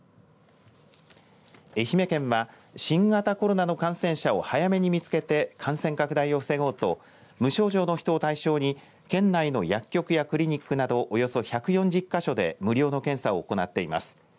愛媛県は新型コロナの感染者を早めに見つけて感染拡大を防ごうと無症状の人を対象に県内の薬局やクリニックなどおよそ１４０か所で無料の検査を行っています。